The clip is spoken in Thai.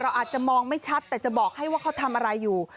อาจจะมองไม่ชัดแต่จะบอกให้ว่าเขาทำอะไรอยู่